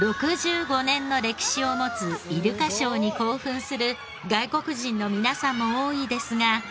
６５年の歴史を持つイルカショーに興奮する外国人の皆さんも多いですが。